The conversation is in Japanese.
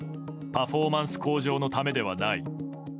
パフォーマンス向上のためではない。